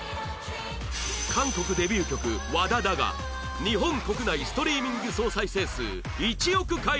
韓国デビュー曲『ＷＡＤＡＤＡ』が日本国内ストリーミング総再生数１億回を達成